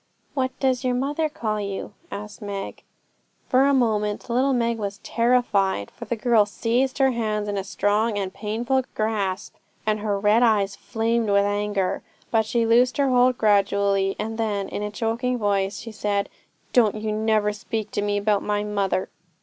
'What does your mother call you?' asked Meg. For a moment little Meg was terrified, for the girl seized her hands in a strong and painful grasp, and her red eyes flamed with anger; but she loosed her hold gradually, and then, in a choking voice, she said, 'Don't you never speak to me about my mother!'